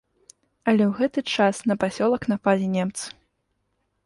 Але ў гэты час на пасёлак напалі немцы.